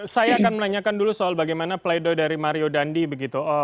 saya akan menanyakan dulu soal bagaimana pleido dari mario dandi begitu